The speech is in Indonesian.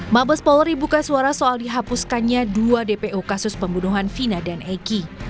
mabes polri buka suara soal dihapuskannya dua dpo kasus pembunuhan vina dan eki